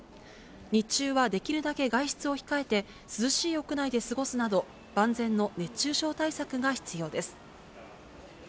日中はできるだけ外出を控えて、涼しい屋内で過ごすなど、万全の熱中症対策が必要です。